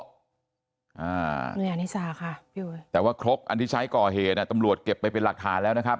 อันนี้สาค่ะพี่อุ๋ยแต่ว่าครกอันที่ใช้ก่อเหตุอ่ะตำรวจเก็บไปเป็นหลักฐานแล้วนะครับ